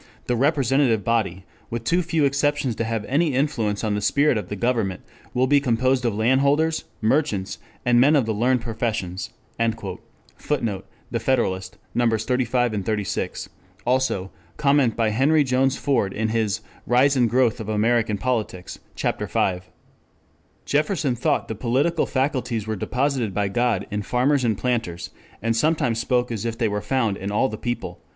the representative body, with too few exceptions to have any influence on the spirit of the government, will be composed of landholders, merchants, and men of the learned professions." [Footnote: The Federalist, Nos. 35, 36. Cf. comment by Henry Jones Ford in his Rise and Growth of American Politics. Ch. V.] Jefferson thought the political faculties were deposited by God in farmers and planters, and sometimes spoke as if they were found in all the people.